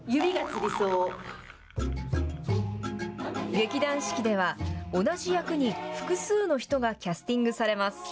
劇団四季では、同じ役に複数の人がキャスティングされます。